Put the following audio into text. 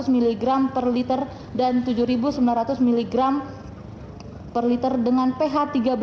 seratus mg per liter dan tujuh sembilan ratus mg per liter dengan ph tiga belas